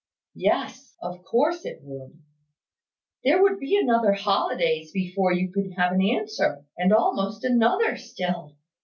Yes; of course it would. There would be another holidays before you could have an answer; and almost another still.